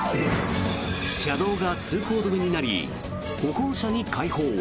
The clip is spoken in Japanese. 車道が通行止めになり歩行者に開放。